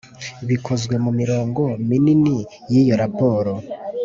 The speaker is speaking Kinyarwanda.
Bikozwe mu mirongo minini y’iyo raporo